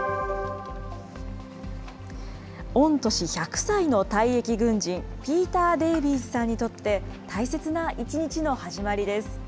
御年１００歳の退役軍人、ピーター・デービーズさんにとって、大切な一日の始まりです。